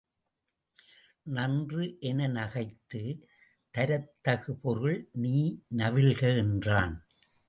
நன்று என நகைத்து தரத்தகு பொருள் நீ நவில்க என்றான்.